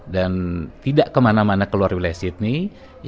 dan tidak kemana mana keluar wilayah sydney